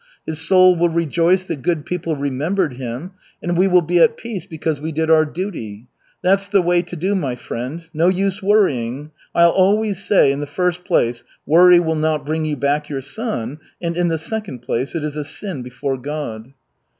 His soul will rejoice that good people remembered him, and we will be at peace because we did our duty. That's the way to do, my friend. No use worrying. I'll always say, in the first place, worry will not bring back your son, and, in the second place, it is a sin before God."